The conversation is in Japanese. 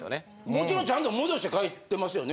もちろんちゃんと戻して帰ってますよね？